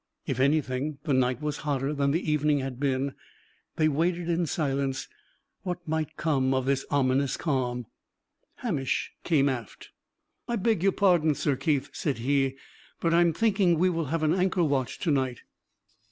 If anything, the night was hotter than the evening had been. They waited in silence what might come of this ominous calm. Hamish came aft. "I beg your pardon, Sir Keith," said he, "but I am thinking we will have an anchor watch to night."